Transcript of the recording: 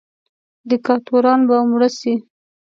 دیکتاتوران به مړه سي.